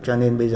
cho nên bây giờ